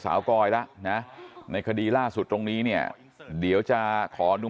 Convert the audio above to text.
กอยแล้วนะในคดีล่าสุดตรงนี้เนี่ยเดี๋ยวจะขอดู